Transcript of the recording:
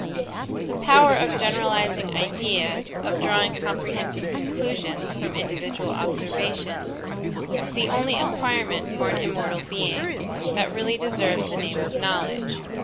The power of generalizing ideas, of drawing comprehensive conclusions from individual observations, is the only acquirement for an immortal being, that really deserves the name of knowledge.